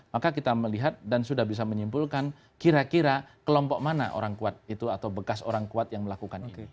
maka kita melihat dan sudah bisa menyimpulkan kira kira kelompok mana orang kuat itu atau bekas orang kuat yang melakukan ini